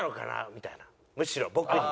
みたいなむしろ僕に。